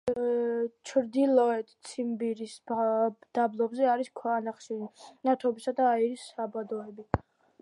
ჩრდილოეთ ციმბირის დაბლობზე არის ქვანახშირის, ნავთობისა და აირის საბადოები.